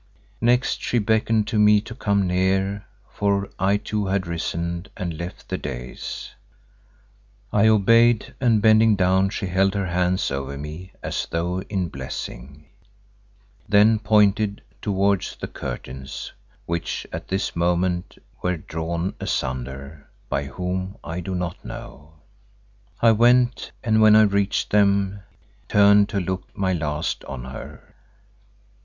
Next she beckoned to me to come near, for I too had risen and left the dais. I obeyed, and bending down she held her hands over me as though in blessing, then pointed towards the curtains which at this moment were drawn asunder, by whom I do not know. I went and when I reached them, turned to look my last on her.